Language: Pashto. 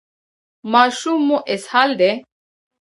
ماشوم مو اسهال دی؟